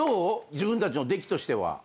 自分たちのできとしては。